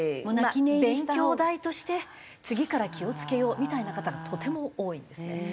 勉強代として次から気を付けようみたいな方がとても多いんですね。